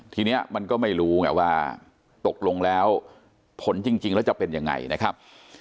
ทีนี้มันก็ไม่รู้ไงว่าตกลงแล้วผลจริงแล้วจะเป็นยังไงนะครับ